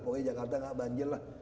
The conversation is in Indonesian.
pokoknya jakarta nggak banjir lah